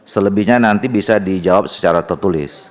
selebihnya nanti bisa dijawab secara tertulis